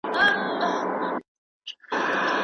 نوې مېنه زړه نه ده.